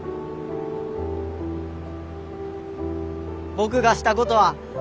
僕がしたことは最低。